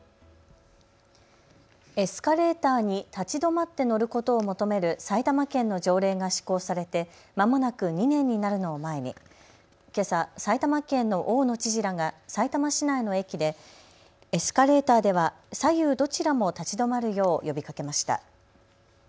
エスカレーターに立ち止まって乗ることを求める埼玉県の条例が施行されてまもなく２年になるのを前にけさ、埼玉県の大野知事らがさいたま市内の駅でエスカレーターでは左右どちらも立ち止まるよう呼びかけました。